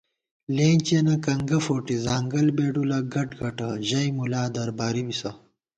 “لِنچِیَنہ کنگہ فوٹی ځانگل بېڈُولہ گٹگٹہ” ژَئی مُلا درباری بِسہ